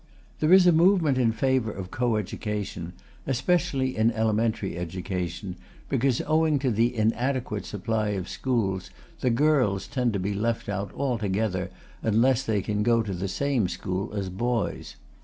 There is a movement in favour of co education, especially in elementary education, because, owing to the inadequate supply of schools, the girls tend to be left out altogether unless they can go to the same school as the boys.